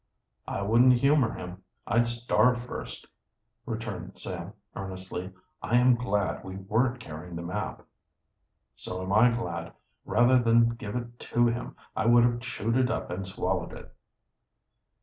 "I wouldn't humor him I'd starve first!" returned Sam earnestly. "I am glad we weren't carrying the map." "So am I glad. Rather than give it to him, I would have chewed it up and swallowed it."